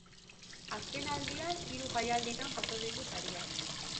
Azken aldian hiru jaialditan jaso ditu sariak.